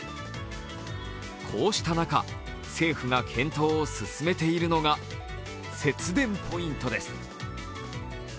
こうした中、政府が検討を進めているのが節電ポイントです。